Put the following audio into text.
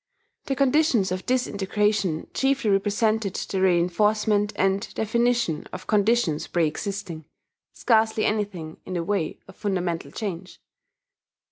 The conditions of this integration chiefly represented the reinforcement and definition of conditions preexisting, scarcely anything in the way of fundamental change.